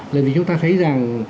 là vì chúng ta thấy rằng